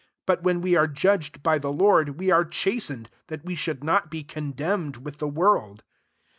SI But when we are judged by the Lord, we are chastened, that we should not be condemned with the world.